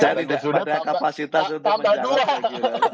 saya sudah ada kapasitas untuk menjawabnya